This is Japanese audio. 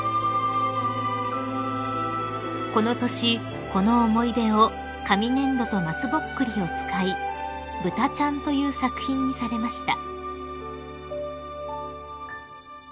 ［この年この思い出を紙粘土と松ぼっくりを使い『ぶたちゃん』という作品にされました］